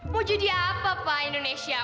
mau jadi apa pak indonesia